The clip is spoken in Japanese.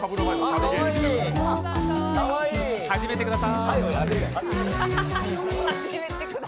始めてくださーい。